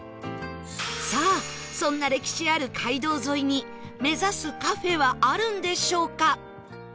さあそんな歴史ある街道沿いに目指すカフェはあるんでしょうか？